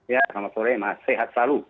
ya selamat sore mas sehat selalu